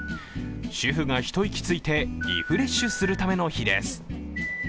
主婦が一息ついて、リフレッシュするための日です。